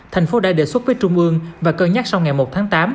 tp hcm đã đề xuất với trung ương và cơ nhắc sau ngày một tháng tám